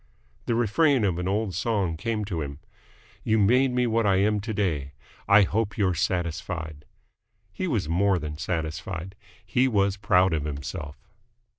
The refrain of an old song came to him. "You made me what I am to day! I hope you're satisfied!" He was more than satisfied. He was proud of himself.